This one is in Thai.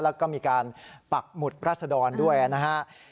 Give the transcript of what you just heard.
แล้วก็มีการปักหมุดรัศดรด้วยนะครับ